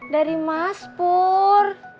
dari mas pur